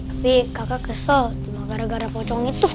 tapi kakak kesel cuma gara gara pocong itu